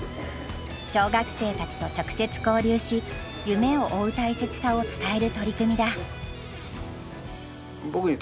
小学生たちと直接交流し夢を追う大切さを伝える取り組みだ。